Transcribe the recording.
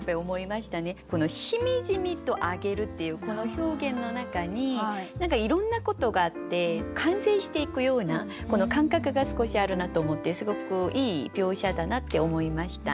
この「しみじみと揚げる」っていうこの表現の中に何かいろんなことがあって完成していくようなこの感覚が少しあるなと思ってすごくいい描写だなって思いました。